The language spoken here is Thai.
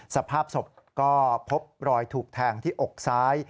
สภาพศพก็พบรอยถูกแทงที่อกซ้าย